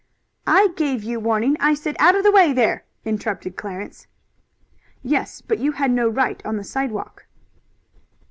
"I gave you warning. I said 'Out of the way, there!'" interrupted Clarence. "Yes, but you had no right on the sidewalk."